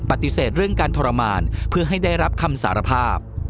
ปฏิเสธเรื่องการทรมานเพื่อให้ได้รับคำสารภาพ